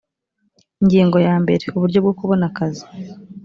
ingingo ya mbere uburyo bwo kubona akazi